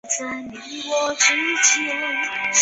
梅内特勒勒皮图瓦人口变化图示